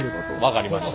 分かりました。